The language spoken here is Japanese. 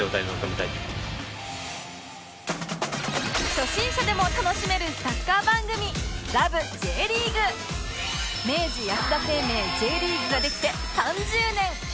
初心者でも楽しめるサッカー番組明治安田生命 Ｊ リーグができて３０年！